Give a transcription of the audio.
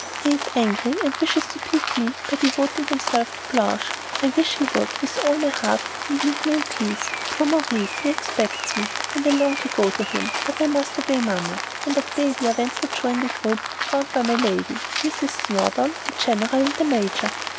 "He is angry, and wishes to pique me by devoting himself to Blanche. I wish he would, with all my heart, and leave me in peace. Poor Maurice, he expects me, and I long to go to him, but must obey Mamma." And Octavia went to join the group formed by my lady, Mrs. Snowdon, the general, and the major.